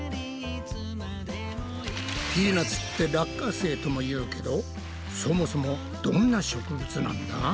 ピーナツって「落花生」とも言うけどそもそもどんな植物なんだ？